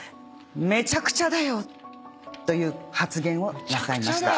「めちゃくちゃだよ」という発言をなさいました。